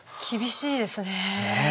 厳しいですね。